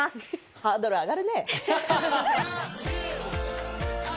ハードル上がるね。